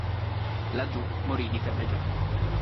Laggiù morì di febbre gialla.